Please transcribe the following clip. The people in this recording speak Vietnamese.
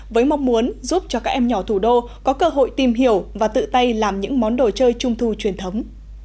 với mong muốn giúp cho các em nhỏ thủ đô có cơ hội tìm hiểu và tự tay làm những món đồ chơi trung thu truyền thống